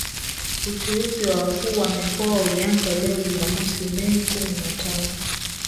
Uteuzi wa wakuu wa mikoa ulianza leo Jumamosi Mei kumi na tano